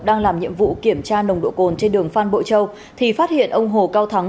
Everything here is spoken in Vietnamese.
đang làm nhiệm vụ kiểm tra nồng độ cồn trên đường phan bội châu thì phát hiện ông hồ cao thắng